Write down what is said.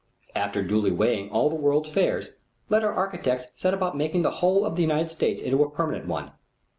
After duly weighing all the world's fairs, let our architects set about making the whole of the United States into a permanent one.